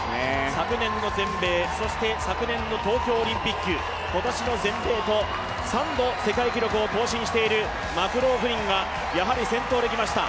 昨年の全米、そして昨年の東京オリンピック今年の全米と３度世界記録を更新しているマクローフリンがやはり先頭で来ました。